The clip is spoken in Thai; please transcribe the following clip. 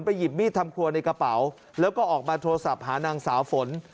หยิบมีดทำครัวในกระเป๋าแล้วก็ออกมาโทรศัพท์หานางสาวฝน